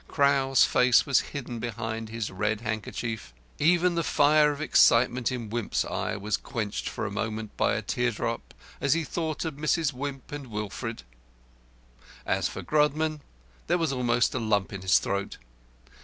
Crowl's face was hidden behind his red handkerchief; even the fire of excitement in Wimp's eye was quenched for a moment by a teardrop, as he thought of Mrs. Wimp and Wilfred. As for Grodman, there was almost a lump in his throat.